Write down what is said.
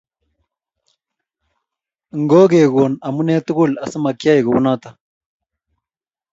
Ngekokuno amune tugul asimakiyai kunoto